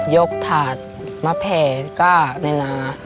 กถาดมาแผ่ก้าในนา